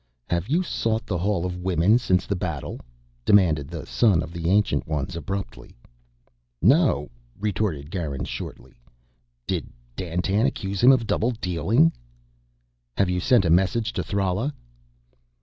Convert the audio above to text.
"Have you sought the Hall of Women since the battle?" demanded the son of the Ancient Ones abruptly. "No," retorted Garin shortly. Did Dandtan accuse him of double dealing? "Have you sent a message to Thrala?"